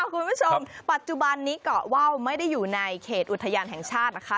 คุณผู้ชมปัจจุบันนี้เกาะว่าวไม่ได้อยู่ในเขตอุทยานแห่งชาตินะคะ